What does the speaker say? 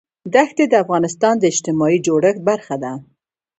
دښتې د افغانستان د اجتماعي جوړښت برخه ده.